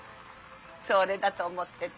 それだと思ってた。